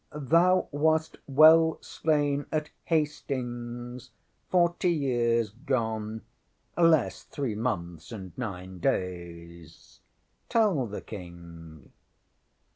Thou wast well slain at Hastings forty years gone, less three months and nine days. Tell the King.